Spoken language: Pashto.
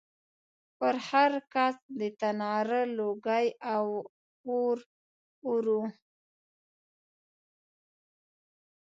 پر هر کڅ د تناره لوګی او اور و